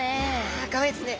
かわいいですね。